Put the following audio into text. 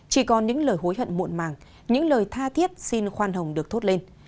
chỉ còn những lời hối hận muộn màng những lời tha thiết xin khoan hồng được thốt lên